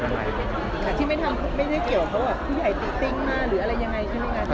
ที่ไม่ทำไม่ได้เกี่ยวกับพี่ใหญ่ติ๊กติ้งหรืออะไรยังไงใช่ไหมครับ